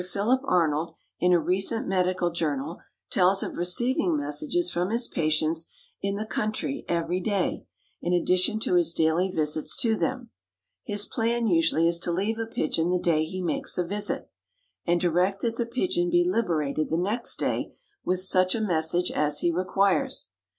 Philip Arnold, in a recent medical journal, tells of receiving messages from his patients in the country every day, in addition to his daily visits to them. His plan usually is to leave a pigeon the day he makes a visit, and direct that the pigeon be liberated the next day with such a message as he requires.